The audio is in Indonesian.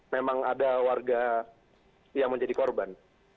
memang ada warga yang menjadi korban